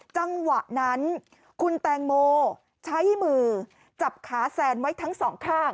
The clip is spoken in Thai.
จังหวะนั้นคุณแตงโมใช้มือจับขาแซนไว้ทั้งสองข้าง